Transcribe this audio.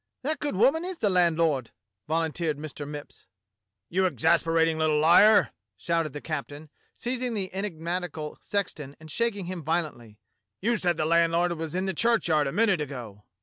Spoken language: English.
"That good woman is the landlord," volunteered Mr. Mipps. "You exasperating little liar!" shouted the captain, seizing the enigmatical sexton and shaking him violently; "you said the landlord was in the churchyard a minute ago."